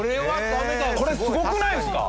これすごくないですか？